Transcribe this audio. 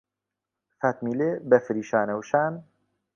فاتمیلێ بەفری شانەوشان